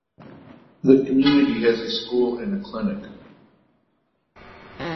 The community has a school and a clinic.